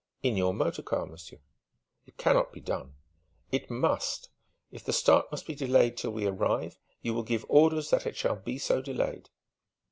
"In your motor car, monsieur." "It cannot be done." "It must! If the start must be delayed till we arrive, you will give orders that it shall be so delayed."